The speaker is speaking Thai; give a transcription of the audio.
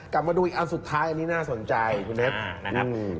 กลับมาดูอีกอันสุดท้ายอันนี้น่าสนใจคุณเน็ต